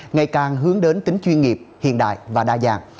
ngày càng hướng đến tính chuyên nghiệp hiện đại và đa dạng